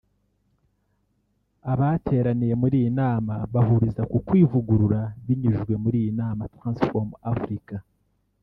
Abateraniye muri iyi nama bahuriza kukwivugurura binyujijwe muri iyi nama transform Afrika